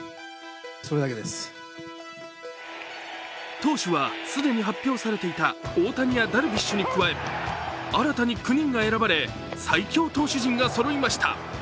投手は既に発表されていた大谷やダルビッシュに加え新たに９人が選ばれ最強投手陣がそろいました。